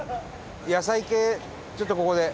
野菜系、ちょっとここで。